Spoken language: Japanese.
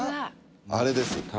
あれです